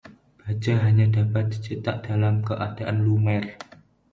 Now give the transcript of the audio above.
baja hanya dapat dicetak dalam keadaan lumer